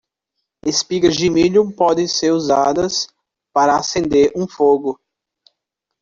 Espigas de milho podem ser usadas para acender um fogo.